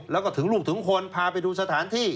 แล้วก็ถึงลูกถึงคนพาไปดูสถานที่